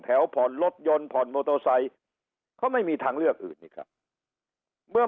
แถวพรรถยนต์พรโมโตไซค์เขาไม่มีทางเลือกอื่นครับเมื่อ